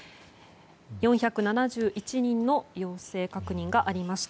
４７１人の陽性確認がありました。